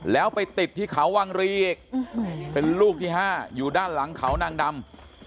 แล้วไปติดที่เขาวังรีอีกเป็นลูกที่๕อยู่ด้านหลังเขานางดำ